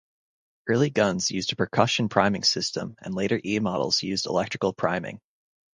Early guns used a percussion priming system, and later E-models used electrical priming.